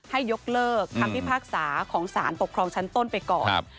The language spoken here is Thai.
ให้ยกเลิกคำพิพากษาของสารปกครองชั้นต้นไปก่อน